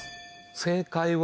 正解は。